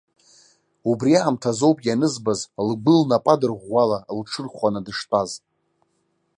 Убриаамҭазоуп ианызбаз, лгәы лнапы адырӷәӷәала, лҽырхәаны дыштәаз.